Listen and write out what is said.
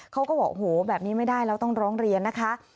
เขาก็บอกโอ้โหแบบนี้ไม่ได้แล้วต้องร้องเรียนนะคะ